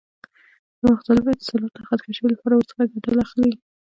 د مختلفو اتصالاتو د خط کشۍ لپاره ورڅخه ګټه اخلي.